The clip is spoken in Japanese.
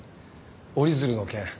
折り鶴の件。